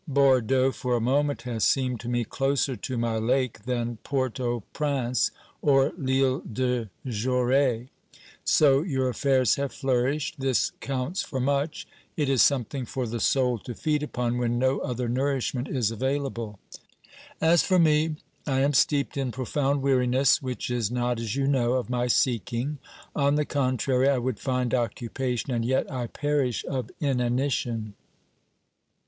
Bordeaux for a moment has seemed to me closer to my lake than Port au Prince or L'lle de Goree. So your affairs have flourished ; this counts for much ; it is something for the soul to feed upon when no other nourishment is available. As for me, I am steeped in profound weariness, which is not, as you know, of my seeking ; on the contrary, I would find occupation, and yet I perish of inanition.